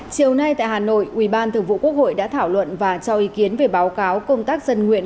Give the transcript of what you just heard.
chiều nay tại hà nội ubth đã thảo luận và cho ý kiến về báo cáo công tác dân nguyện